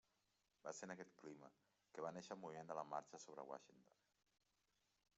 Va ser en aquest clima que va néixer el Moviment de la Marxa sobre Washington.